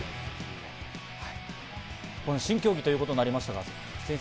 新競技ということになりましたが、菊地先生